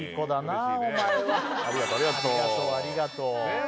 ありがとう。